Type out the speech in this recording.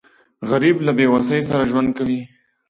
غریب له بېوسۍ سره ژوند کوي